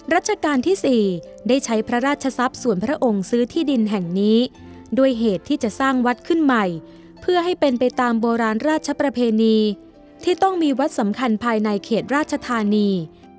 ราชการที่๔ได้ใช้พระราชทรัพย์ส่วนพระองค์ซื้อที่ดินแห่งนี้ด้วยเหตุที่จะสร้างวัดขึ้นใหม่เพื่อให้เป็นไปตามโบราณราชประเพณีที่ต้องมีวัดสำคัญภายในเขตราชธานี